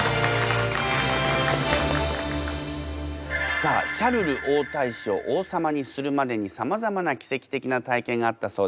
さあシャルル王太子を王様にするまでにさまざまな奇跡的な体験があったそうです。